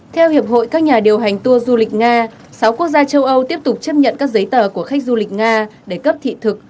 theo hiệp hội các nhà điều hành tour du lịch nga sáu quốc gia châu âu tiếp tục chấp nhận các giấy tờ của khách du lịch nga để cấp thị thực